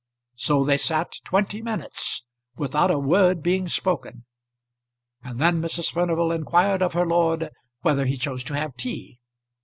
So they sat twenty minutes without a word being spoken, and then Mrs. Furnival inquired of her lord whether he chose to have tea.